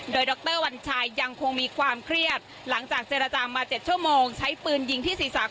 โดยดรวัญชัยยังคงมีความเครียดหลังจากเจรจามา๗ชั่วโมงใช้ปืนยิงที่ศีรษะ